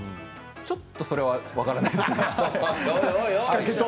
ちょっとそれは分からないですね。